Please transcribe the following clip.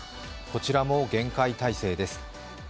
こちらも厳戒態勢です。